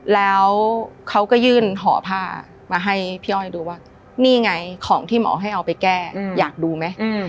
แล้วเขาก็ยื่นห่อผ้ามาให้พี่อ้อยดูว่านี่ไงของที่หมอให้เอาไปแก้อยากดูไหม